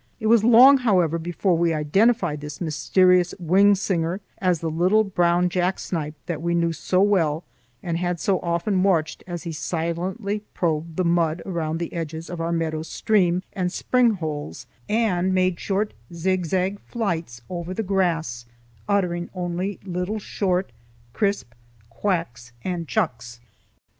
It was long, however, before we identified this mysterious wing singer as the little brown jack snipe that we knew so well and had so often watched as he silently probed the mud around the edges of our meadow stream and spring holes, and made short zigzag flights over the grass uttering only little short, crisp quacks and chucks.